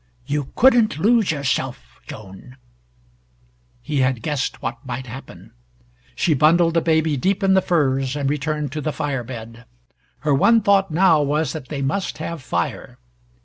"You couldn't lose yourself, Joan" He had guessed what might happen. She bundled the baby deep in the furs and returned to the fire bed. Her one thought now was that they must have fire.